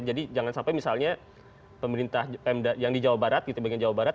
jadi jangan sampai misalnya pemerintah yang di jawa barat gitu bagian jawa barat